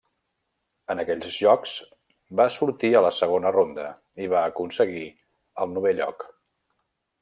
En aquells Jocs, va sortir a la segona ronda i va aconseguir el novè lloc.